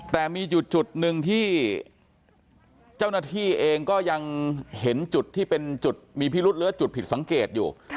แต่มีอยู่จุดหนึ่งที่เจ้าหน้าที่เองก็ยังเห็นจุดที่เป็นจุดมีพิรุษหรือจุดผิดสังเกตอยู่